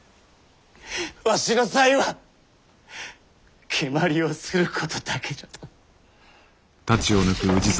わしの才は蹴鞠をすることだけじゃと！